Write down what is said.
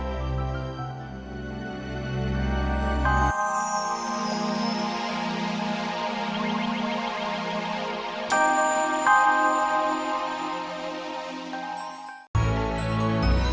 kakek akan menempatkan kamu